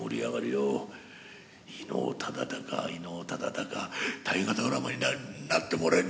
「伊能忠敬伊能忠敬大河ドラマになってもらえれば」。